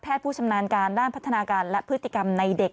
ผู้ชำนาญการด้านพัฒนาการและพฤติกรรมในเด็ก